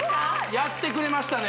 やってくれましたね